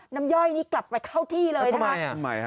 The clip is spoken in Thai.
นำย่อยนี้กลับไปเข้าที่เลยนะคะแล้วตำไมอ่ะเอาไหมฮะ